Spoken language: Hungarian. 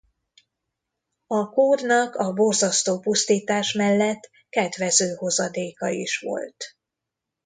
A kórnak a borzasztó pusztítás mellett kedvező hozadéka is volt.